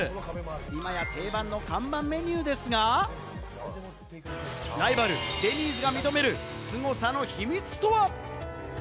今や定番の看板メニューですが、ライバル、デニーズが認めるすごさの秘密とは。